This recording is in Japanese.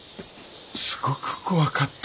すごく怖かった。